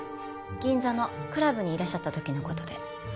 銀座のクラブにいらっしゃった時の事で。